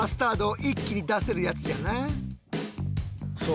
そう。